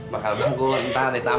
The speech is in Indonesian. bakal bangun ntar di taman